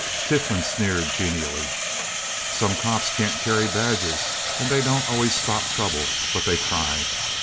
Tiflin sneered genially. "Some cops can't carry badges. And they don't always stop trouble, but they try...